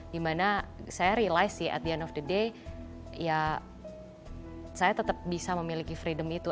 dimana saya relice sih at the end of the day ya saya tetap bisa memiliki freedom itu